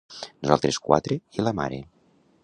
Nosaltres quatre, i la mare.